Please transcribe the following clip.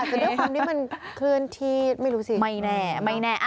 แต่ด้วยความที่มันเคลื่อนที่ไม่รู้สิไม่แน่ไม่แน่